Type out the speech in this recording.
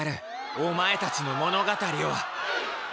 お前たちの物語を。